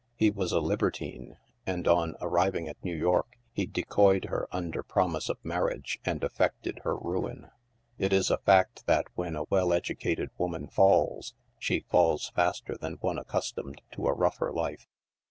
He was a libertine, and, on arriving at New York, he decoyed her under promise of marriage, and effected her ruin. It is a fact that when a well educated woman falls, she falls faster than one accustomed to a rougher life.